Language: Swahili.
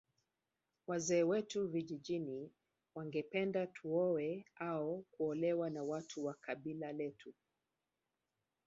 Wazee wetu vijijini wangependa tuoe au kuolewa na watu wa kabila letu